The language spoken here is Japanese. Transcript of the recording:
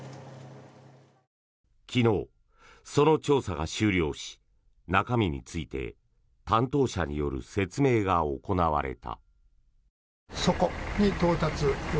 昨日、その調査が終了し中身について担当者による説明が行われた。